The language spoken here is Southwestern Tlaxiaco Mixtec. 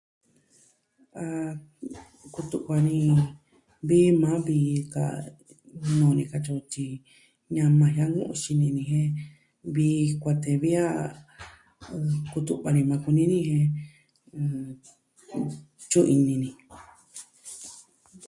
A kutu'va ni vi maa vii ka nuu ni katyi o tyi, ñama jianu xini ni jen vii kuatee vi a kutu'va nu maa kumi ni jen, nn... tyu'un ini ni.